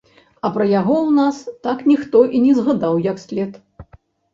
А пра яго ў нас так ніхто і не згадаў як след.